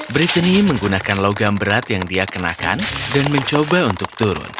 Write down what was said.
bristeny menggunakan logam berat yang dia kenakan dan mencoba untuk turun